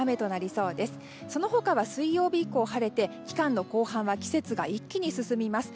その他は水曜日以降晴れて期間の後半は季節が一気に進みます。